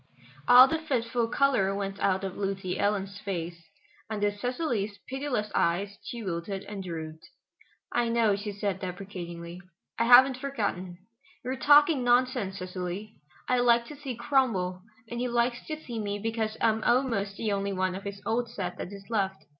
All the fitful color went out of Lucy Ellen's face. Under Cecily's pitiless eyes she wilted and drooped. "I know," she said deprecatingly, "I haven't forgotten. You are talking nonsense, Cecily. I like to see Cromwell, and he likes to see me because I'm almost the only one of his old set that is left.